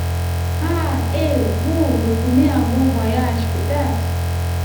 Ah !… et … vous retournez à vos voyages, peut-être.